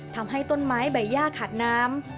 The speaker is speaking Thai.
ทำให้ต้นไม้ใบย่าขาดน้ำ